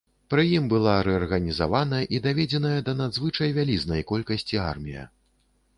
Пры ім была рэарганізавана і даведзеная да надзвычай вялізнай колькасці армія.